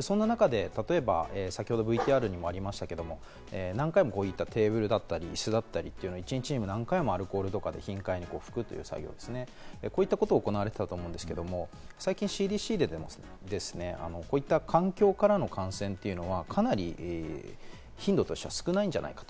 そんな中で先ほどＶＴＲにもありましたけど、何回もこういったテーブルだったり、椅子だったり、一日に何回もアルコールで頻繁に拭く作業ですね、こういうことが行われていたと思うんですけど、最近ＣＤＣでこういった環境からの感染というのはかなり頻度としては少ないんじゃないか。